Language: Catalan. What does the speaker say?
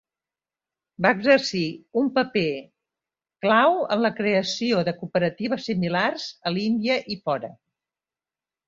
Va exercir un paper clau en la creació de cooperatives similars a l'Índia i fora.